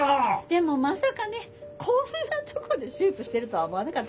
でもまさかねこんなとこで手術してるとは思わなかったけどね。